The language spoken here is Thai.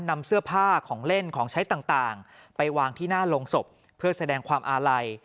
นำเสื้อผ้าของเล่นของใช้ต่างไปวางที่หน้าโรงศพเพื่อแสดงความอาลัย